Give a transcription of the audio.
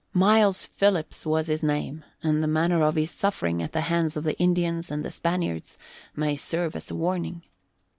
Miles Philips was his name and the manner of his suffering at the hands of the Indians and the Spaniards may serve as a warning.